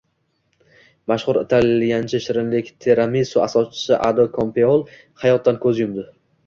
Mashhur italyancha shirinlik — tiramisu asoschisi Ado Kampeol hayotdan ko‘z yumdi